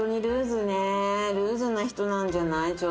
ルーズな人なんじゃない？